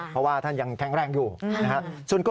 เพราะว่าท่านยังแข็งแรงอยู่นะครับ